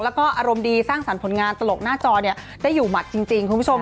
แล้วก็อารมณ์ดีสร้างสรรค์ผลงานตลกหน้าจอเนี่ยได้อยู่หมัดจริงคุณผู้ชม